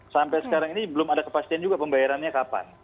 sampai sekarang ini belum ada kepastian juga pembayarannya kapan